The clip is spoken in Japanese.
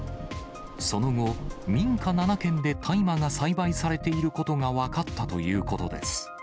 その後、民家７軒で大麻が栽培されていることが分かったということです。